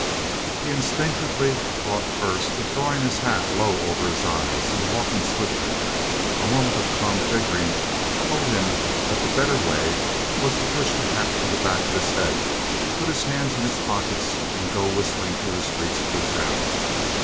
He instinctively thought first of drawing his hat low over his eyes and walking swiftly; a moment of calm figuring told him that the better way was to push the hat to the back of his head, put his hands in his pockets, and go whistling through the streets of the town.